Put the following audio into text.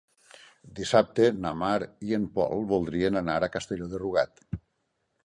Dissabte na Mar i en Pol voldrien anar a Castelló de Rugat.